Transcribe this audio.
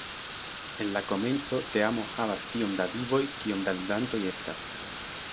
En la komenco teamo havas tiom da "vivoj", kiom da ludantoj estas.